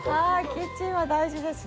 キッチンは大事ですね。